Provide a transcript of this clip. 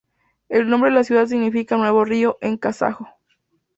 El nombre de la ciudad significa "nuevo río" en kazajo.